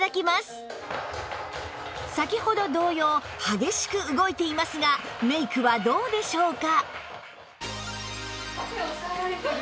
先ほど同様激しく動いていますがメイクはどうでしょうか？